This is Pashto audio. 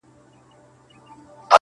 دا یو اختر به راته دوه اختره سینه,